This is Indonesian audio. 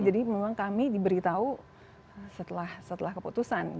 jadi memang kami diberitahu setelah keputusan